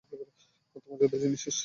আত্মমর্যাদায় যিনি শীর্ষে।